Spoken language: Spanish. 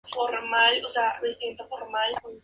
Jugaba de defensor, y podía hacerlo de lateral o de central.